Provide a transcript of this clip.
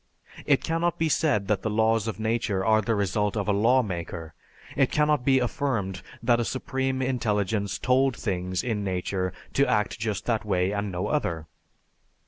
It cannot be said that the laws of nature are the result of a lawmaker; it cannot be affirmed that a supreme intelligence told things in nature to act just that way and no other.